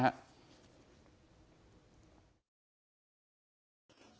ครับ